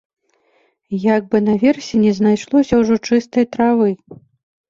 Як бы наверсе не знайшлося ўжо чыстай травы.